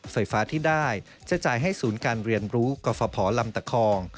ไฟฟ้าที่ได้จะจ่ายให้ศูนย์การเรียนรู้กรฟภลำตะคอง